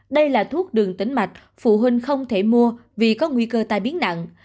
đây là thuốc đường tính mạch phụ huynh không thể mua vì có nguy cơ tai biến nặng